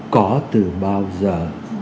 có từ bao giờ